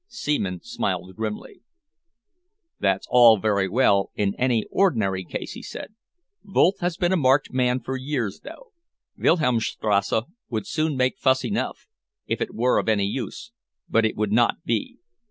Seaman smiled grimly. "That's all very well in any ordinary case," he said. "Wolff has been a marked man for years, though. Wilhelmstrasse would soon make fuss enough, if it were of any use, but it would not be.